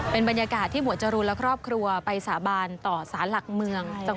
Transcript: เป็นบรรยากาศที่หมวดจรูนและครอบครัวไปสาบานต่อสารหลักเมือง